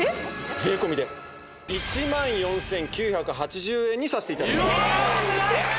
税込で１４９８０円にさせていただきます